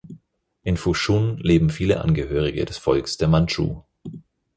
In Fushun leben viele Angehörige des Volkes der Mandschu.